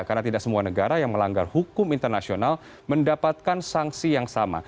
karena tidak semua negara yang melanggar hukum internasional mendapatkan sanksi yang sama